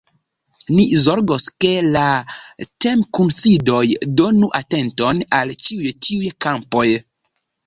Ni zorgos, ke la temkunsidoj donu atenton al ĉiuj tiuj kampoj.